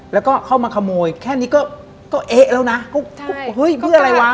แล้วก็เข้ามาขโมยแค่นี้ก็เอ๊ะแล้วนะเฮ้ยเพื่ออะไรวะ